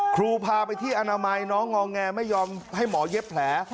พาไปที่อนามัยน้องงอแงไม่ยอมให้หมอเย็บแผล